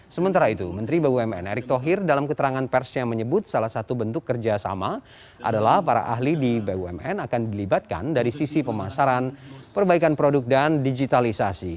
sementara itu menteri bumn erick thohir dalam keterangan persnya menyebut salah satu bentuk kerjasama adalah para ahli di bumn akan dilibatkan dari sisi pemasaran perbaikan produk dan digitalisasi